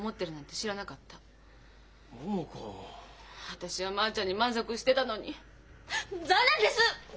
私はまあちゃんに満足してたのに残念です！